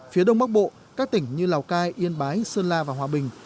phía đông bắc bộ các tỉnh như lào cai yên bái sơn la và hòa bình